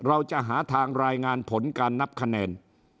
เราจะหาทางรายงานผลการนับคะแนน